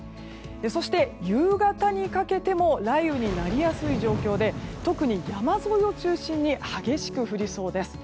そして、夕方にかけても雷雨になりやすい状況で特に山沿いを中心に激しく降りそうです。